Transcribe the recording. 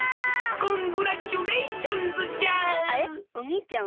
コングラッチュレーションズじゃあ！